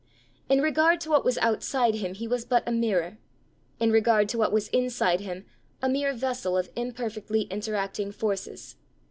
In regard to what was outside him he was but a mirror, in regard to what was inside him a mere vessel of imperfectly interacting forces.